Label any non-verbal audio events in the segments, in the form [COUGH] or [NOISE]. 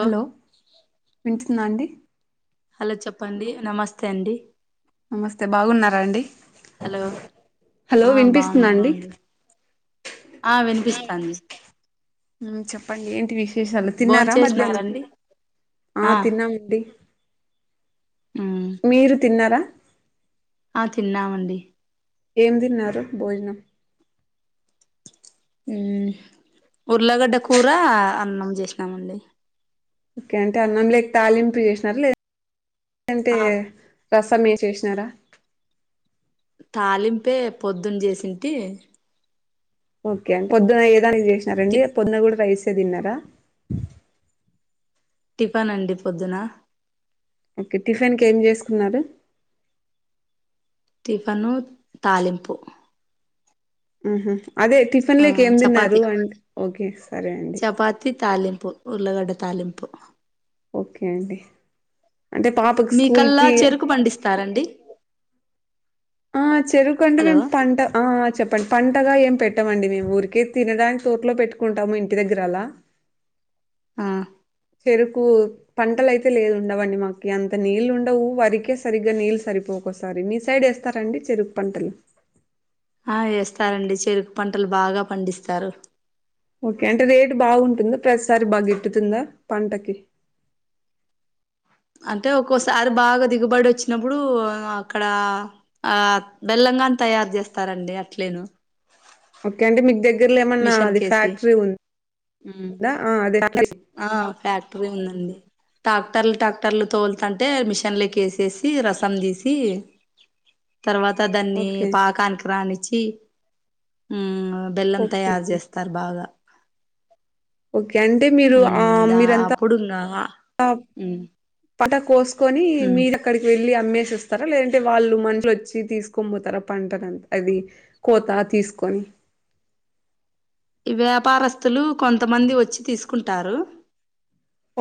Hello వినిపిస్తుందా అండి hello చెప్పండి నమస్తే అండి నమస్తే బాగున్నారా అండి హలో హలో ఆ వినిపిస్తుందా అండి బాగున్నామండి ఆ వినిపిస్తాంది ఉం చెప్పండి ఏంటి విశేషాలు భోన్ తిన్నారా మధ్యాహ్నం చేసినారండి ఆ తిన్నామండి ఉం మీరు తిన్నారా ఆ తిన్నామండి ఏమి తిన్నారు భోజనం ఉం ఉర్ళగడ్డ కూర అన్నం చేసినామండి ఓకే అంటే అన్నం లేక తాలింపు చేసినర లేదు అంటే ఆ రసమ్ ఏ చేసినారా తాలింపే పొద్దున్న చేసింటి ఓకే అండి పొద్దున్న ఏదానికి టి చేసినారండి పొద్దున్న కూడా రైస్ఏ తిన్నారా టిఫన్ అండి పొద్దున ఓకే టిఫిన్ కు ఏం చేసుకున్నారు టిఫను తాలింపు హు హామ్ అదే టిఫిన్ ఆ లేక ఏం తిన్నారు అం ఓకే సరే అండి పాతి తాలింపు ఉల్లగడ్డ తాలింపు ఓకే అండి అంటే పాపకి స్కూల్ మీకల్లా కి చెరుకు పండిస్తారండి ఆ చేరుకుంటే హలో మేము పంట ఆ చెప్పండి పంటగా ఏం పెట్టమండి మేము ఊరికే తినడానికి తోటలో పెట్టుకుంటాము ఇంటి దగ్గర అలా ఆ చెరుకు పంటలు అయితే లేదు ఉండవండి మాకి అంత నీళ్ళు ఉండవు వరికే సరిగ్గా నీళ్ళు సరిపోవు ఒక్కోసారి మీ సైడ్ వేస్తారండి చెరుకు పంటలు ఆ వేస్తారండి చెరుకు పంటలు బాగా పండిస్తారు ఓకే అంటే రేటు బాగుంటుందా ప్రతిసారి బాగా గిట్టుతుందా పంటకి అంటే ఒక్కోసారి బాగా దిగుబడి వచ్చినప్పుడు అక్కడ ఆ బెల్లంగాని తయారు చేస్తారండి అట్లేను ఓకే అంటే మీకు దగ్గరలో ఏమన్నా మిషన్ అది కేసి ఫ్యాక్టరీ ఉందా అదే ఆ ఫ్యాక్టరీ ఉందండి టాక్టర్లు టాక్టర్లు తోలుతంటే మిషన్లోకి వేసేసి రసం తీసి తర్వాత దాన్ని ఓకే పాకానికి రానిచి బెల్లం ఉం ఓకే తయారు అండి చేస్తా తర్ బాగా ఓకే అంటే మీరు ఉమ్ ఆ దా మీరంతా అప్పుడు ఇంగా ఉమ్ పంట కోసుకొని ఉమ్ మీర అక్కడికి వెళ్ళి అమ్మేసి వస్తారా లేదంటే వాళ్ళు మనుషులు వచ్చి తీసుకొని పోతారా పంటనుంత అది కోత తీసుకొని ఈ వ్యాపారస్తులు కొంతమంది వచ్చి తీసుకుంటారు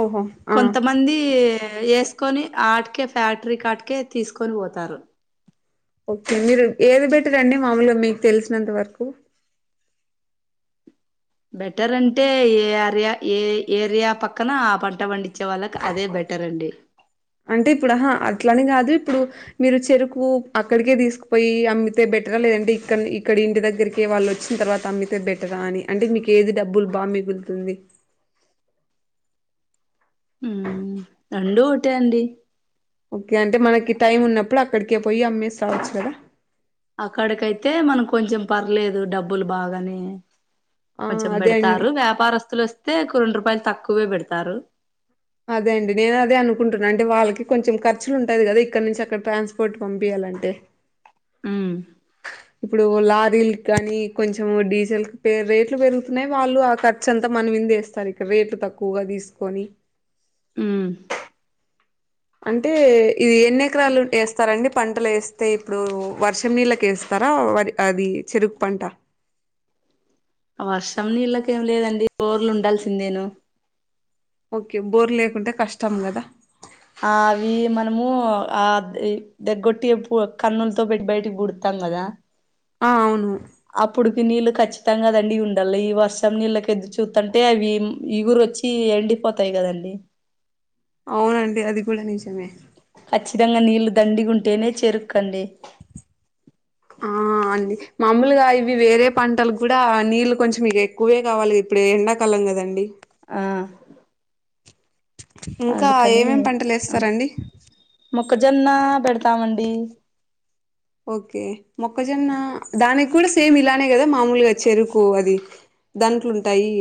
ఓహో ఆ కొంతమంది మంది వేసుకొని ఆటికే ఫ్యాక్టరీ కాటికే తీసుకొని పోతారు ఓకే మీరు ఏది బేట రండి మాముూలుగా మీకు తెలిసినంత వరకు బెటర్ అంటే ఏరియా ఏ ఏరియా పక్కన పంట పండించే వాళ్ళకి అదే బెటర్ అండి అంటే ఇప్పుడు అహ అట్లని కాదు ఇప్పుడు మీరు చెరుకు అక్కడికే తీసుకుపోయి అమ్మితే బెటరా లేదంటే ఇక్కడ్నే ఇక్కడ ఇంటి దగ్గరికే వాళ్లోచ్చిన్తర్వాత టమ్మితే బెటరా అని అంటే మీకు ఏది డబ్బులు బాగ మిగులుతుంది ఉమ్ రెండూ ఒకటే అండి ఓకే అంటే మనకి టైం ఉన్నప్పుడు అక్కడికే పోయి అమ్మేసి రావచ్చు కదా అక్కడికైతే మనం కొంచెం పర్లేదు డబ్బులు బాగానే ఆ కొంచెం అదే అండి పెడతారు వ్యాపారస్తులొస్తే క రెండు రూపాయలు తక్కువే పెడతారు అదే అండి నేను అదే అనుకుంటున్నా అంటే వాళ్ళకి కొంచెం ఖర్చులుంటది కదా ఇక్క నుంచి అక్కడ ట్రాన్స్పోర్ట్ పంపియాలంటే హ్మ్ ఇప్పుడు లారీల్కానీ కొంచెం డీజిల్క్ పే రేట్లు పెరుగుతున్నయి వాళ్ళు ఆ ఖర్చు అంతా మన మిందేస్ స్తరిక్కడ రేట్లు తక్కువగా తీసుకొని ఉమ్ అంటే ఇది ఎన్ని ఎకరాలు ఏస్తారండి పంటలేస్తే ఇప్పుడు వర్షం నీళ్ళకి ఏస్తారా వరి అదీ చెరుకు పంట వర్షం నీళ్ళకేం లేదండి బోర్లు ఉండాల్సిందేను ఓకే బోర్ లేకుంటే కష్టం కదా ఆవి మనమూ ఆ ద్ ద్దెగ్గొట్టి ప్పు కన్నుల్తో పెట్టి బయటికి పూడుత్తాం కదా ఆ అవును అప్పుడుకి నీళ్ళు ఖచ్చితం కదండి ఉండాల్ల ఈ వర్షం నీళ్ళకి ఎదురుచూత్తంటే అవి ఈగురొచ్ చి ఎండిపోతయి కదండి అవునండి అది కూడ నిజమే ఖచ్చితంగ నీళ్ళ దండిగుంటేనే చెరుక్కండి ఆ అండి మామలుగా ఇవి వేరే పంటలుగ్గుడా నీళ్ళు కొంచెం ఇగెక్ కువ్వే గావాలి ఇప్పుడు ఎండాకాలం కదండి ఆ ఇంకా అందుకని ఏమేం పంటలేస్తారండి మొక్కజొన్న పెడతామండి ఓకే మొక్కజొన్న దానిక్కుడా సేమ్ ఇలానే కదా మామూలుగా చెరుకు అది దంట్లుంటాయి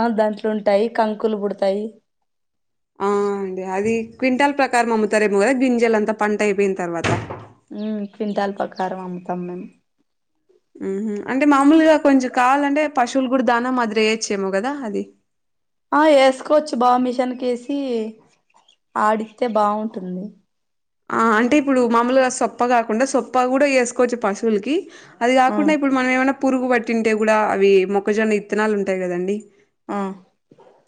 అవును దాంట్లుంటాయి కంకులు పుడతాయి ఆ అండి అది క్వింటల్ ప్రకారం అమ్ముతారేమో కదా గింజలు అంత పంట అయిపోయిన్తర్వాత ఉమ్ క్వింటల్ ప్రకారం అమ్ముతాం మేము ఉమ్ హు అంటే మాములుగ కొంచెం కావాలంటే పశువులు గుడా దానం మాదిరి ఏయొచ్చేమో కదా అది ఆ ఏసుకోవచ్చు బాగ మిషన్కేసి ఆడిత్తే బావుంటుంది ఆ అంటే ఇప్పుడు మామూలుగా సొప్ప గాకుండా సొప్ప కూడ ఏసుకోవచ్చు పశువుల్కి అది ఆ గాకుండా ఇప్పుడు మనం ఏమన్నా పురుగు పట్టింటే కూడా అవి మొక్కజొన్న విత్తనాలు ఉంటయి గదండి ఆ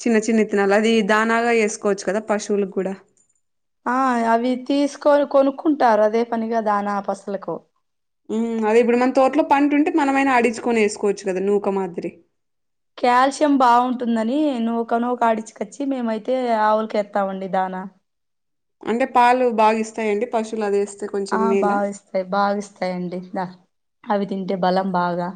చిన్న చిన్న ఇత్తనాలు అది దానాగా ఏసుకోవచ్చు కదా పశువులక్కుడా ఆ అవి తీసుకొని కొనుక్కుంటారు అదే పనిగా దానా పశువులకు హ్మ్ అది ఇప్పుడు మన తోటలో పంటున్టే మనమైనా అడిచ్చుకొని ఏసుకోవచ్చు కదా నూక మాదిరి కాల్షియం బావుంటుందని నూక నూక ఆడిచ్చుకచ్చి మేమైతే ఆవులకేత్తామండి దానా అంటే పాలు బాగ ఇస్తాయండి పశువులు అదేస్ ఆ బాగిస్తయ్ బాగిస్తయండి అ అవి తింటే బలం బాగా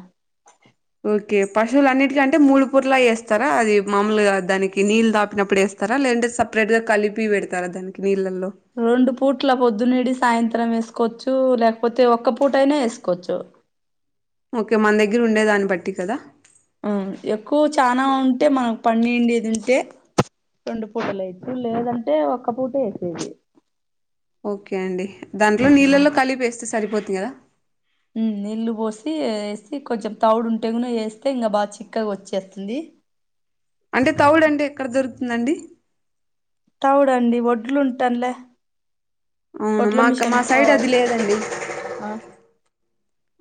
ఓకే పశువుల అన్నిటికంటే మూడు పూటలా వేస్తారా అది మాములుగా దానికి నీళ్ళు దాపినప్పుడు ఎస్ స్తారా లేదంటే సపరేట్గా కలిపి పెడతారా దానికి నీళ్ళలో రెండు పూట్ల పొద్దున్నడి సాయంత్రం వేసుకోవచ్చు లేకపోతే ఒక్క పూట అయినా ఎసుకోచ్చు ఓకే మన దగ్గర ఉండే దాన్ని బట్టి కద ఎక్కువ చాన ఉంటే మనకి పండిందేది ఉంటే రెండు పూటలు ఎయచ్చు లేదంటే ఒక్క పూట వేసేది ఓకే అండి దాంట్లో ఉమ్ నీళ్ళల్లో కలిపి ఎస్తే సరిపోది కదా నీళ్లు పోసి ఏసీ కొంచెం తౌడు ఉంటే కూడా వేస్తే ఇంకా బాగా చిక్కగా వచ్చేస్తుంది అంటే తౌడు అంటే ఎక్కడ దొరుకుతుందండి తవుడండి ఒడ్లు ఉంటండ్ల అవును వడ్ల మాకు మిషన్ మా లో సైడ్ అది లేదండి [UNINTELLIGIBLE]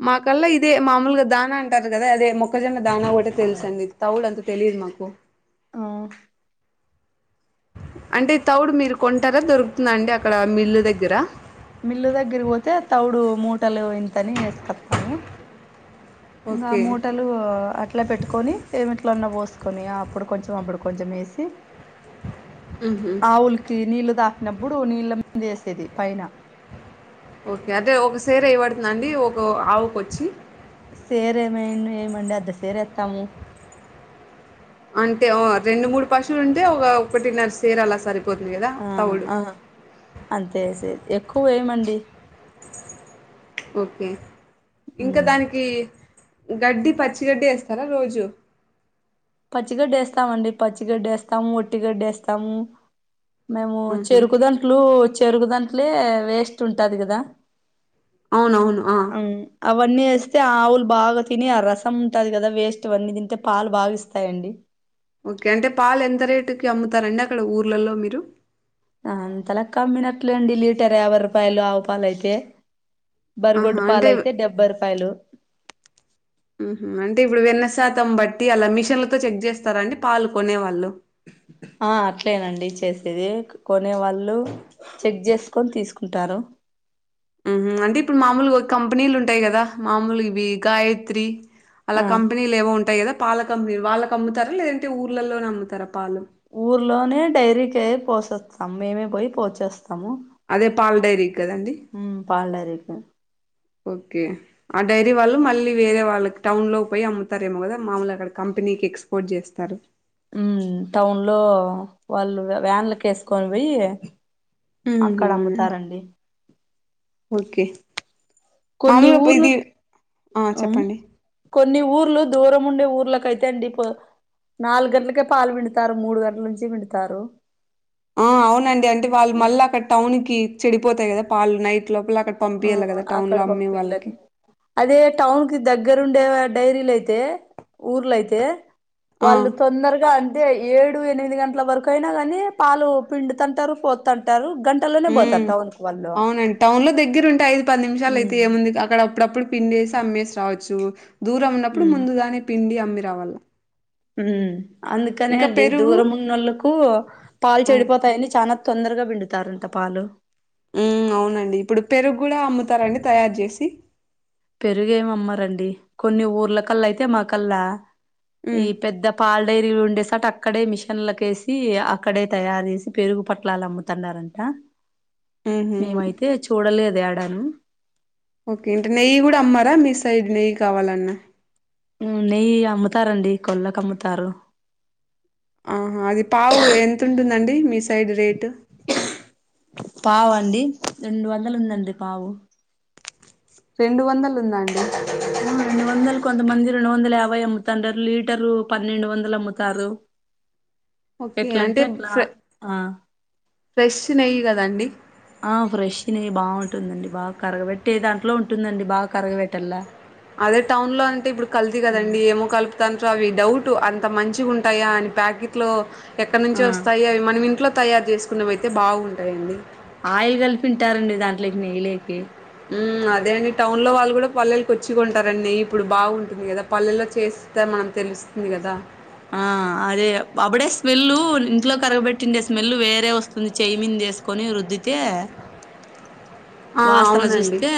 మాకల్లా ఇదే మామూలుగ దాన అంటారు కదా అదే మొక్కజొన్న దాన ఒకటే తెలుసండి తౌడు అంత తెలిదు మాకు ఆ అంటే తౌడు మీరు కొంటారా దొరుకుతుందా అండి అక్కడ మిల్లు దగ్గర మిల్లు దగ్గర పోతే తౌడు మూటలు ఇంతని ఏసుకొత్తము ఇంగ ఓకే మూటలు [UNINTELLIGIBLE] అట్లా పెట్టుకొని ఏమిట్లాన్న పోసుకొని అప్పుడు కొంచెం అప్పుడు కొంచెం ఏసి ఉహు ఆవులికి నీళ్లు తాపినప్పుడు నీళ్ళ మింద ఏసేది పైన ఓకే అదే ఒక సేర్ ఎయ్య వడుతుందా అండి ఒక ఆవుకి వచ్చి సేరు ఏమ్ ఏయమండి అద్ద సేరు ఏస్తాము అంటే ఓ రెండు మూడు పశువులు ఉంటే ఒక ఒకటిన్నరా సేర్ అల సర్ ఆ ఆ అంతేసెది ఎక్కువేయమండి ఓకే ఇంక దానికి గడ్డి పచ్చిగడ్డి ఏస్తార రోజు పచ్చి గడ్డి ఏస్తామండి పచ్చి గడ్డి ఏస్తాము ఒట్టి గడ్డి ఎస్తాము మేము ఆహా చెరుకుదంట్లు చెరుకుదంట్లే వేస్ట్ ఉంటాది కదా అవునవును ఆ అవును అవన్నీ ఏస్తే ఆవులు బాగా తిని ఆ రసం ఉంటది కదా వేస్ట్ అవన్నీ తింటే పాలు బాగ ఇస్ తయండి ఒకే అంటే పాలు ఎంత రేటు కి అమ్ముతారండి అక్కడ ఊర్లలో మీరు అంతలక్క అమ్మినట్లే అండి లీటర్ యాభై రూపాయలు ఆవు పాలు అయితే ఆహా బరిగొడ్డు అంటే పాలయితే డెబ్బై రూపాయలు హు హు అంటే ఇప్పుడు వెన్న శాతం బట్టి లా మిషన్లతో చెక్ చేస్తారా అండి పాలు కొనేవాళ్ళు ఆ అట్లేనండి చేసేది కొనేవాళ్ళు చెక్ చేసుకొని తీసుకుంటారు. హు హు అంటే ఇప్పుడు మామూలుగా ఒక కంపెనీలు ఉంటాయి కదా మామూలు ఇవి గాయత్రి వాళ్ల ఆ కంపెనీలు ఏవో ఉంటాయి కదా పాల కంపెనీలు వాళ్ళకి అమ్ముతారా, లేదంటే ఊర్లలోనే అమ్ముతారా పాలు ఊర్లోనే డైరీ [UNINTELLIGIBLE] పోసేస్తాం మేమే పోయి పోసేస్తము అదే పాలు డైరికి కదండి ఉమ్ పాల్ డైరికి ఓకే ఆ డైరీ వాళ్ళు మళ్ళీ వేరే వాళ్ళకి టౌన్ లో పోయి అమ్ముతారేమో గదా మాములుగ అక్కడ కంపెనీకి ఎక్స్పోర్ట్ జేస్తారు. ఉమ్ టౌన్ లో వాళ్ళు వ్యాన్లకు ఏసుకొని పోయి అక్కడ అమ్ముతారండి ఒకే కొన్ని మామూలు ఇది ఊర్లు ఆ చెప్పండి కొన్ని ఊర్లు దూరం ఉండే ఊర్లకైతే అండి నాలుగు గంటలకే పాలు పిండుతారు మూడు గంటల నుంచి పిండుతారు ఆ అవునండి అంటే వాళ్ళు మళ్ళ అక్కడ టౌన్ కి చెడిపోతాయి కదా పాలు నైట్ లోపల అక్కడ ఆ పంపియాల కదా టౌన్ అక్కడ లో అమ్మే వాళ్ళకి పంపిళ్ళకి అదే టౌన్ కి దగ్గరుండే డైరీలు అయితే ఊర్లయితే ఆ వాళ్ళు తొందరగా అం అదే ఏడు ఎనిమిది గంటల వరకు అయినా కాని పాలు పిండుతంటారు పోతాంటారు గనీ టలోనే ఉమ్ పోతరు టౌనుకు వాళ్ళు అవునండి టౌన్ లో దగ్గర ఉంటే ఐదు పది నిమిషాలు అయితే ఉమ్ ఏముంది అక్కడ అప్పుడప్పుడు పిండేసి అమ్మేసి రావచ్చు దూరం ఉన్నప్పుడు ఉమ్ ముందుగానే పిండి అమ్మి రావాల్ల ఉమ్ అందుకనే అండి పెరుగు దూరము ఉన్నోళ్లకు పాలు ఆ చెడిపోతాయని చానా తొందరగా పిండు తారుంట పాలు ఉమ్ అవునండి ఇప్పుడు పెరుగు కూడా అమ్ముతారండి తయారు చేసి పెరుగు ఏమి అమ్మరండి కొన్ని ఊర్లకల్లా అయితే మాకల్లా ఈ హ్మ్ పెద్ద పాల్ డైరీలు ఉండేసోట అక్కడే మిషన్లకేసి అక్కడే తయారు చేసి పెరుగు పొట్లాలు అమ్ము అన్నారంట ఊహూ మేమైతే చూడలేదు యాడాను ఓకే అంటే నెయ్యి కూడా అమ్మారా మీ సైడ్ నెయ్యి కావాలన్నా ఉమ్ నెయ్యి అమ్ముతారండి కొళ్ళకు అమ్ముతారు ఆహా అది పావు ఎంత ఉంటుందండి మీ సైడ్ రేటు? పావు అండి రెండు వందలు ఉందండి పావు రెండు వందలు ఉందా అండి ఉమ్ రెండు వందలు కొంతమంది రెండు వందల యాభై అమ్ముతాండారు లీటరు పన్నెండు వందలు అమ్ముతారు ఓకే అంటే ఎట్లంటె అట్లా ఫ్రె ఆ ఫ్రెష్ నెయ్యి కదండి ఆ ఫ్రెష్ నెయ్యి బాగుంటుందండి బాగా కరగబెట్టే దాంట్లో ఉంటుందండి బాగా కరగబెట్టల్లా అదే టౌన్లో అంటే ఇప్పుడు కల్తీ గదండి ఏమో కలుపు తంత్ర అవి డౌట్ అంత మంచిగా ఉంటాయా అని ప్యాకిట్ లో ఎక్కడ ఆ నుంచో ఒస్తాయి అవి మనం ఇంట్లో తయారు జేసుకున్నవయితే బావుంటాయండి ఆయిల్ కలిపింటారండి దాంట్లోకి నెయ్యిలోకి ఊహ్ అదే అండి టౌన్ లో వాళ్ళు గుడ పల్లెలుకి వచ్చి గొంటారండీ. ఇప్పుడు బాగుంటుంది గద పల్లెలో చేసి తే మనం తెలుస్తుంది కదా ఆ అదే అప్పుడే స్మెల్ ఇంట్లో కరగబెట్టిండే స్మెల్ వేరే వస్తుంది చేయమింది ఏసు కొని రుద్దితే ఆ వాసన అవునండి చూస్తే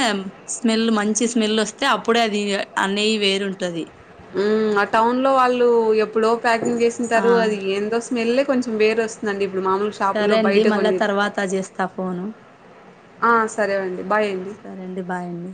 స్మెల్ మంచి స్మెల్ వస్తే అప్పుడే అది అనెయ్యి వేరుంటది ఉమ్ ఆ టౌన్ లో వాళ్ళు ఎప్పుడో ప్యాకింగ్ ఆ చేసుంటారు అది ఎందో స్మెల్లే కొంచెం వేరు వస్ నండి ఇప్పుడు మామూలు షాపుల్లో సరే అండి బయట మళ్ళా కొన్ని తర్వాత చేస్తా ఫోను ఆ సరే అండి బాయ్ అండి సరే అండి బాయ్ అండి